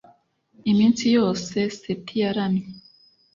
Iminsi yose Seti yaramye